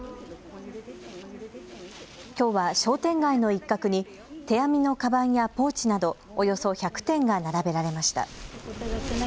きょうは商店街の一角に手編みのかばんやポーチなどおよそ１００点が並べられました。